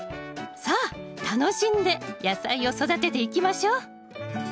さあ楽しんで野菜を育てていきましょう！